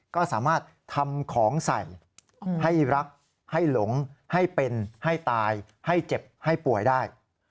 ก็สามารถทำของใส่ให้รักให้หลงให้เป็นให้ตายให้เจ็บให้ป่วยได้